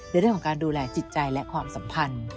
ในเรื่องของการดูแลจิตใจและความสัมพันธ์